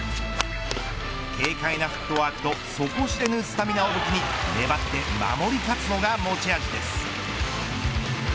軽快なフットワークと底知れぬスタミナを武器に粘って守り勝つのが持ち味です。